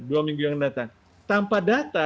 dua minggu yang datang tanpa data